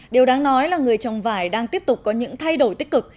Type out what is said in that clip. điều đáng nói là người trồng vải đang tiếp tục có những thay đổi tích cực